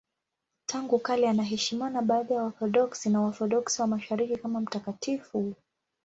Tangu kale anaheshimiwa na baadhi ya Waorthodoksi na Waorthodoksi wa Mashariki kama mtakatifu.